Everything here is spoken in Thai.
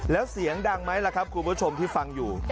แล้วเสียงดังไหมล่ะครับคุณผู้ชมที่ฟังอยู่